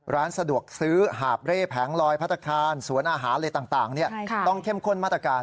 ร้านสะดวกซื้อหาบเร่แผงลอยพัฒนาคารสวนอาหารอะไรต่างต้องเข้มข้นมาตรการ